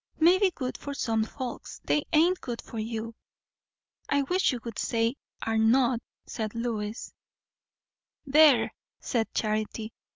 "Maybe good for some folks; they ain't good for you." "I wish you would say 'are not,'" said Lois. "There!" said Charity.